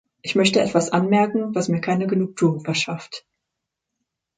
Ich möchte etwas anmerken, was mir keine Genugtuung verschafft.